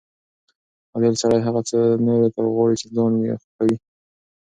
عادل سړی هغه څه نورو ته غواړي چې ځان ته یې خوښوي.